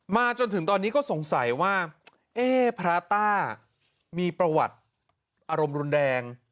จนถึงตอนนี้ก็สงสัยว่าเอ๊ะพระต้ามีประวัติอารมณ์รุนแรง